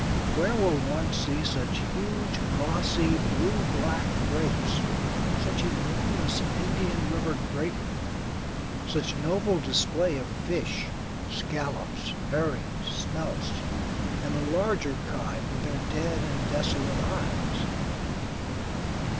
Where will one see such huge glossy blue black grapes; such enormous Indian River grapefruit; such noble display of fish scallops, herrings, smelts, and the larger kind with their dead and desolate eyes?